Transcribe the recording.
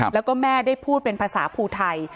แล้วก็แม่ได้พูดเป็นภาษาภูไทย